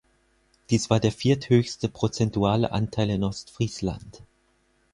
Dies war der vierthöchste prozentuale Anteil in Ostfriesland.